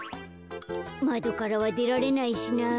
まどからはでられないしな。